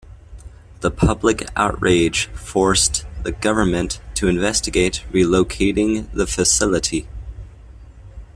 The public outrage forced the government to investigate relocating the facility.